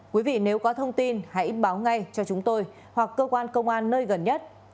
quý vị nếu có thông tin hãy báo ngay cho chúng tôi hoặc cơ quan công an nơi gần nhất